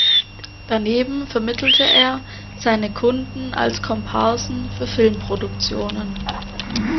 Daneben vermittelte er seine Kunden als Komparsen für Filmproduktionen.